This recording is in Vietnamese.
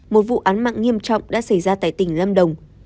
một vụ án mạng nghiêm trọng đã xảy ra tại tỉnh lâm đồng